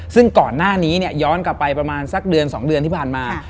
ซึ่งก่อนหน้านี้ย้อนกลับไปประมาณสักเดือน๒เดือนที่ผ่านมา